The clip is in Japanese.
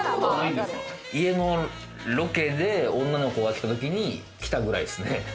家のロケで、女の子が来たときに着たぐらいですね。